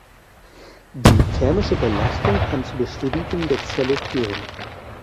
Die thermische Belastung kann zur Beschädigung der Zelle führen.